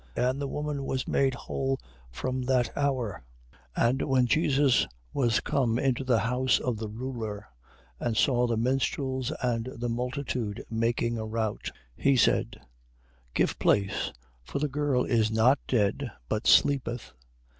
And the woman was made whole from that hour. 9:23. And when Jesus was come into the house of the ruler, and saw the minstrels and the multitude making a rout, 9:24. He said: Give place, for the girl is not dead, but sleepeth.